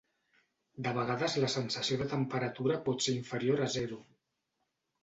De vegades la sensació de temperatura pot ser inferior a zero.